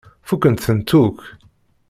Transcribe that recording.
Fukkent-tent akk.